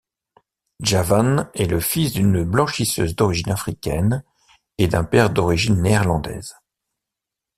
Djavan est le fils d'une blanchisseuse d'origine africaine et d'un père d'origine néerlandaise.